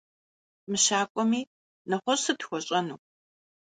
Мыщакӏуэми, нэгъуэщӏ сыт хуэщӏэну?